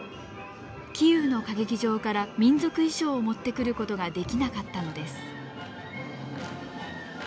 キーウの歌劇場から民族衣装を持ってくることができなかったのです。